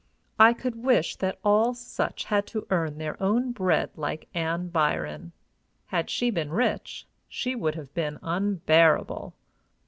I could wish that all such had to earn their own bread like Ann Byron: had she been rich, she would have been unbearable.